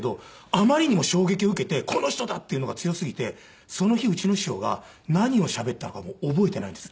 あまりにも衝撃を受けてこの人だっていうのが強すぎてその日うちの師匠が何をしゃべったのかも覚えていないんです。